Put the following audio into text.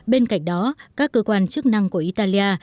bên cạnh đó các cơ quan chức năng của italia